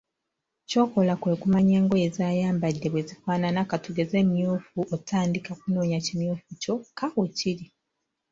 ky’okola kwekumanya engoye z’ayambadde bwe zifaanana, katugeze myufu, otandika kunoonya kimyufu kyokka weekiri.